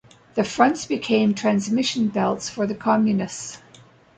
The fronts became transmission belts for the Communists...